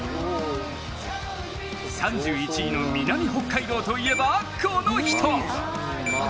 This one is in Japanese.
３１位の南北海道といえばこの人！